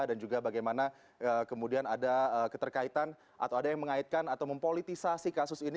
dan juga bagaimana kemudian ada keterkaitan atau ada yang mengaitkan atau mempolitisasi kasus ini